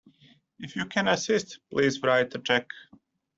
If you can assist, please write a cheque.